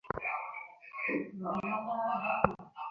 রহস্যময় এই পৃথিবীর খুব কম রহস্যের সন্ধানই আমি জানি।